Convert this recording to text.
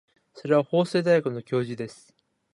それは法政大学の教授です。